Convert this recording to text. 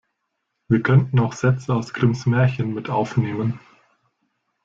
Wir könnten auch Sätze aus Grimms Märchen mit aufnehmen.